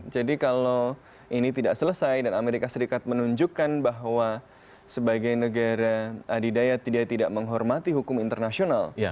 jadi kalau ini tidak selesai dan amerika serikat menunjukkan bahwa sebagai negara adidaya tidak menghormati hukum internasional